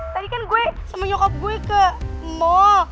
tadi kan gue sama nyokap gue ke mall